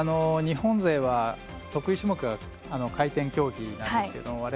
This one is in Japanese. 日本勢は、得意種目が回転競技なんですけれども。